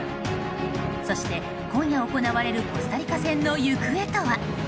そして今夜行われるコスタリカ戦の行方とは？